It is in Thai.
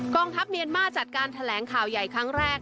ทัพเมียนมาร์จัดการแถลงข่าวใหญ่ครั้งแรก